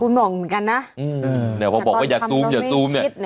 คุณบอกเหมือนกันนะเนี่ยพอบอกว่าอย่าซูมอย่าซูมเนี่ย